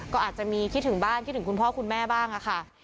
ก็อาจจะมีคิดถึงบ้านคิดถึงคุณพ่อคุณแม่บ้างค่ะ